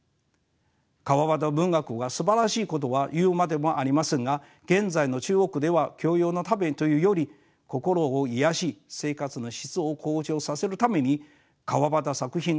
川端文学がすばらしいことは言うまでもありませんが現在の中国では教養のためというより心を癒やし生活の質を向上させるために川端作品が選ばれてるのです。